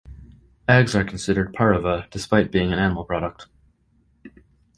Eggs are considered "pareve" despite being an animal product.